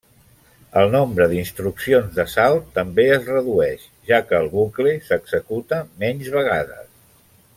El nombre d'instruccions de salt també es redueix, ja que el bucle s'executa menys vegades.